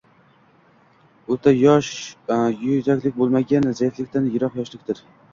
O’rta yosh yuzakilik bo’lmagan, zaiflikdan yiroq yoshlikdir.